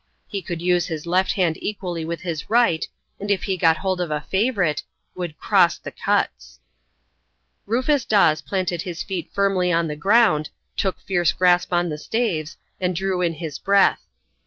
He could use his left hand equally with his right, and if he got hold of a "favourite", would "cross the cuts". Rufus Dawes planted his feet firmly on the ground, took fierce grasp on the staves, and drew in his breath.